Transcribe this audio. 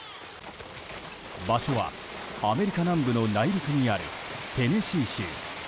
場所はアメリカ南部の内陸にあるテネシー州。